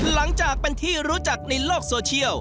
หลังจากเป็นที่รู้จักในโลกโซเชียล